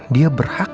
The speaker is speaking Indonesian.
dia berhak tau